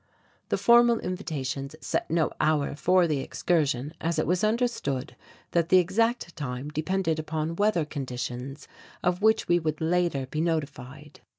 The formal invitations set no hour for the excursion as it was understood that the exact time depended upon weather conditions of which we would later be notified.